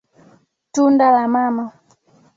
Tunda la mama.